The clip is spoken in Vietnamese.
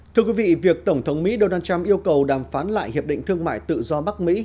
thưa quý vị việc tổng thống mỹ donald trump yêu cầu đàm phán lại hiệp định thương mại tự do bắc mỹ